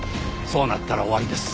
そうなったら終わりです。